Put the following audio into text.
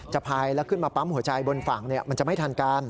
พายแล้วขึ้นมาปั๊มหัวใจบนฝั่งมันจะไม่ทันการ